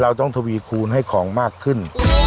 เราต้องทวีคูณให้ของมากขึ้น